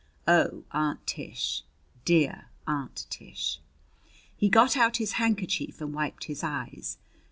Oh, Aunt Tish! Dear Aunt Tish!" He got out his handkerchief and wiped his eyes.